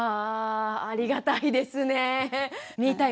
ああありがたいですねえ。